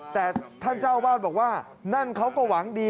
แต่ท่านเจ้าวาดบอกว่านั่นเขาก็หวังดี